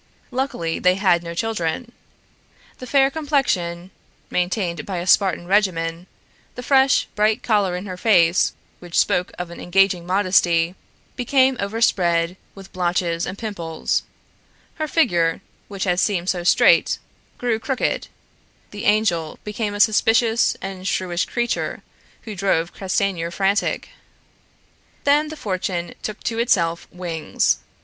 Luckily they had no children. The fair complexion (maintained by a Spartan regimen), the fresh, bright color in her face, which spoke of an engaging modesty, became overspread with blotches and pimples; her figure, which had seemed so straight, grew crooked, the angel became a suspicious and shrewish creature who drove Castanier frantic. Then the fortune took to itself wings.